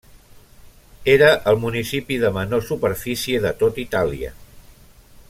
Era el municipi de menor superfície de tot Itàlia.